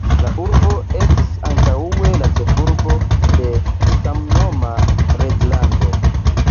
La urbo estis antaŭe la ĉefurbo de la samnoma reĝlando.